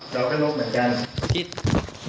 เราก็ลบเหมือนกันคิด